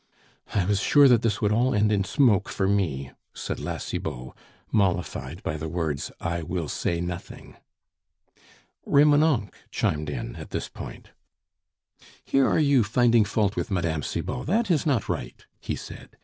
"I was sure that this would all end in smoke, for me," said La Cibot, mollified by the words "I will say nothing." Remonencq chimed in at this point. "Here are you finding fault with Mme. Cibot; that is not right!" he said.